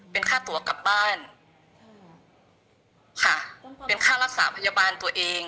เป็นค่าตัวกลับบ้านค่ะเป็นค่ารักษาพยาบาลตัวเอง